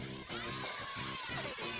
kok bisa begini